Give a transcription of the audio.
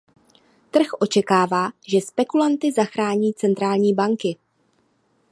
Trh očekává, že spekulanty zachrání centrální banky.